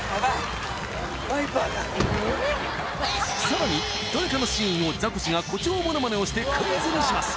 さらにどれかのシーンをザコシが誇張モノマネをしてクイズにします